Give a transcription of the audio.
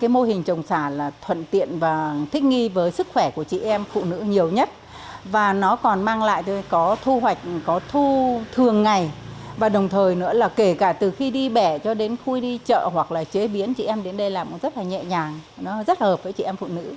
mô hình trồng xả là thuận tiện và thích nghi với sức khỏe của chị em phụ nữ nhiều nhất và nó còn mang lại có thu hoạch có thu thường ngày và đồng thời nữa là kể cả từ khi đi bẻ cho đến khui đi chợ hoặc là chế biến chị em đến đây làm rất là nhẹ nhàng nó rất hợp với chị em phụ nữ